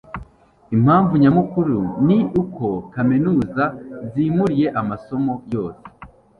impamvu nyamukuru ni uko kaminuza zimuriye amasomo yose